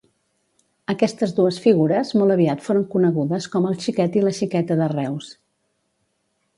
Aquestes dues figures molt aviat foren conegudes com el Xiquet i la Xiqueta de Reus.